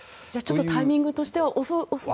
タイミングとしては遅いと？